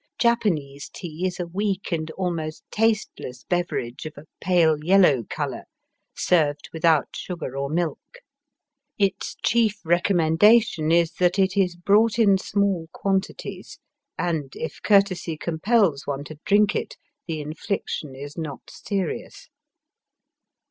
Japanese tea is a weak and almost tasteless beverage of a pale yellow colour, served without sugar or milk. Its chief recommendation is that it is brought in small quantities, and if courtesy compels one to drink it the infliction is not serious.